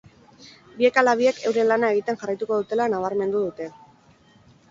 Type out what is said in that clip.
Biek ala biek euren lana egiten jarraituko dutela nabarmendu dute.